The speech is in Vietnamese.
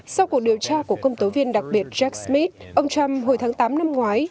sau cuộc điều tra của công tố viên đặc biệt jack smith ông trump hồi tháng tám năm ngoái